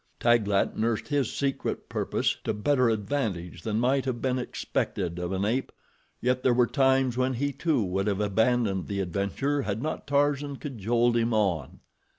Taglat nursed his secret purpose to better advantage than might have been expected of an ape, yet there were times when he, too, would have abandoned the adventure had not Tarzan cajoled him on.